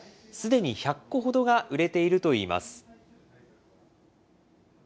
すでに１００戸ほどが売れているといいます。